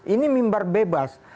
ini imbar bebas